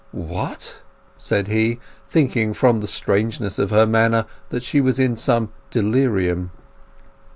"What!" said he, thinking from the strangeness of her manner that she was in some delirium.